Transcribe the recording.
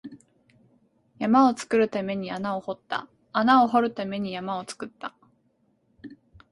山を作るために穴を掘った、穴を掘るために山を作った